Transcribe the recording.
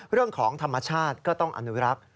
เรื่องของธรรมชาติก็ต้องอนุรักษ์